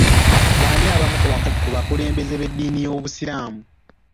B'ani abamu ku bakulembeze b'edddiini y'obusiraamu?